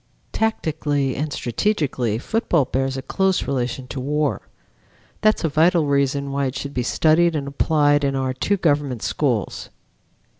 Tactically and strategically football bears a close relation to war. That is a vital reason why it should be studied and applied in our two government schools.